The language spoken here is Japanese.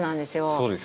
そうです。